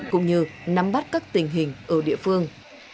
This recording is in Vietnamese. cũng như nắm bắt các tình hình ở địa phương